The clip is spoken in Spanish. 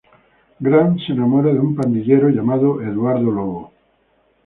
Grant se enamora de un pandillero llamado Eduardo Lobo.